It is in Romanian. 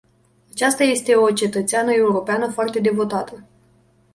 Aceasta este o cetățeană europeană foarte devotată.